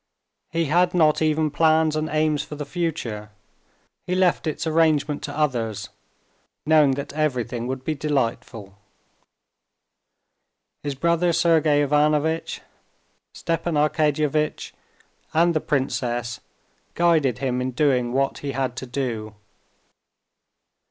He had not even plans and aims for the future, he left its arrangement to others, knowing that everything would be delightful. His brother Sergey Ivanovitch, Stepan Arkadyevitch, and the princess guided him in doing what he had to do.